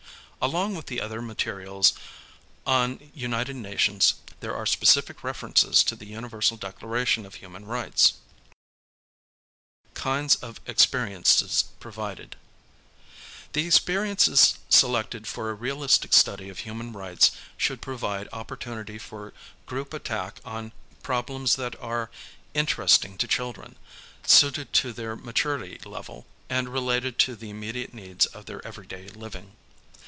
Along with the other materials on L nited Nations, there are specific references to the Universal Declaration of Human Rights. HOW CHILDREN LEARN ABOUT HUMAN RIGHTS 15 Kinds of Experiences Provided The experiences selected for a realistic study of human rijrhts should pro vide opportunity for group attack on problems that are interesting to children, suited to their maturity level, and related to the immediate needs of their everyday living.